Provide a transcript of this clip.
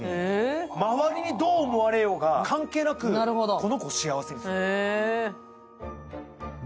周りにどう思われようが関係なくこの子を幸せにする。